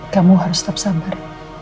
kamu harus tetap sabar